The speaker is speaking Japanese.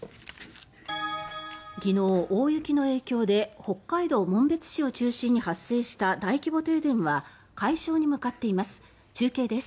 昨日、大雪の影響で北海道紋別市を中心に発生した大規模停電は解消に向かっています。